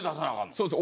そうです。